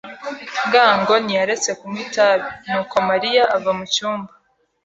ngango ntiyaretse kunywa itabi, nuko Mariya ava mucyumba.